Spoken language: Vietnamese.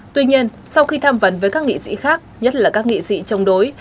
tuy nhiên sau khi tham vấn với các nghị sĩ khác nhất là các nghị sĩ chống đối